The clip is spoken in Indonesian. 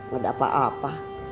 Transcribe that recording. gak ada apa apa